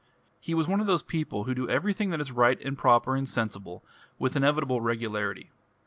He was one of those people who do everything that is right and proper and sensible with inevitable regularity.